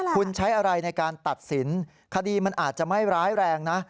คุณใช้อะไรในการตัดสินคดีมันอาจจะไม่ร้ายแรงนะ